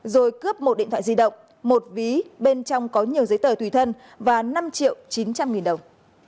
rồi cướp một điện thoại di động một ví bên trong có nhiều giấy tờ tùy thân và năm triệu chín trăm linh nghìn đồng